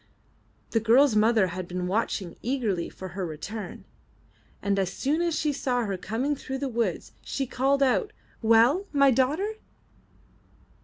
*' The girl's mother had been watching eagerly for her return, and as soon as she saw her coming through the woods, she called out, 'Well, my daughter?"